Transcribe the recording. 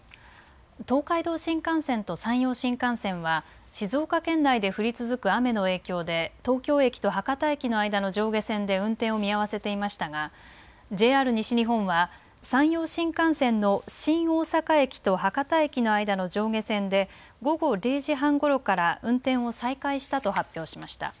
東海道新幹線と山陽新幹線は静岡県内で降り続く雨の影響で東京駅と博多駅の間の上下線で運転を見合わせていましたがＪＲ西日本は山陽新幹線の新大阪駅と博多駅の間の上下線で午後０時半ごろから運転を再開したと発表しました。